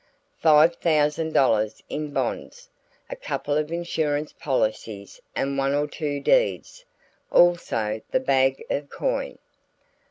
"Five thousand dollars in bonds, a couple of insurance policies and one or two deeds also the bag of coin.